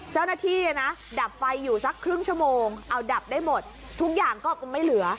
เจ้าหน้าที่นะดับไฟอยู่สักครึ่งชั่วโมงเอาดับได้หมดทุกอย่างก็ไม่เหลือ